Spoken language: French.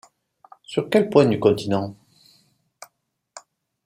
Sur quel point du continent ?